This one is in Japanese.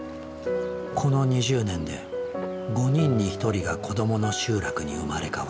この２０年で５人に１人が子どもの集落に生まれ変わった。